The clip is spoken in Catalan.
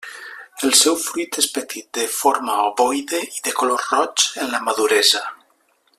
El seu fruit és petit, de forma ovoide i de color roig en la maduresa.